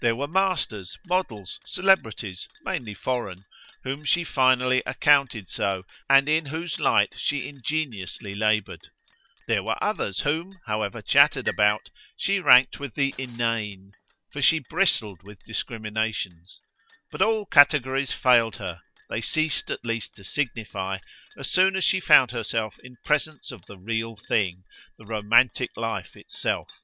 There were masters, models, celebrities, mainly foreign, whom she finally accounted so and in whose light she ingeniously laboured; there were others whom, however chattered about, she ranked with the inane, for she bristled with discriminations; but all categories failed her they ceased at least to signify as soon as she found herself in presence of the real thing, the romantic life itself.